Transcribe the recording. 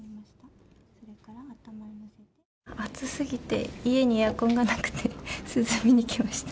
暑すぎて、家にエアコンがなくて、涼みに来ました。